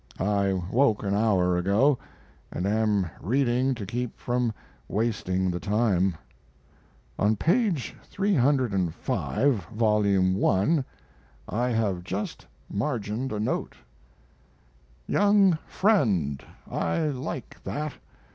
I woke an hour ago & am reading to keep from wasting the time. On page 305, Vol. I, I have just margined a note: "Young friend! I like that!